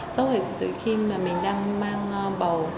sốc là từ khi mình đang mang bầu